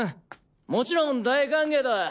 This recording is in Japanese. もちろん大歓迎だ。